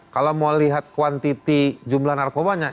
kalau mau lihat kuantiti jumlah narkobanya